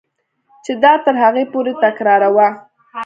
چې دا تر هغې پورې تکراروه.